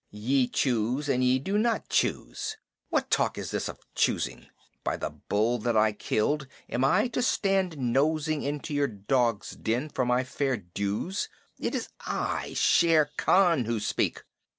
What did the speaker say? "Ye choose and ye do not choose! What talk is this of choosing? By the bull that I killed, am I to stand nosing into your dog's den for my fair dues? It is I, Shere Khan, who speak!"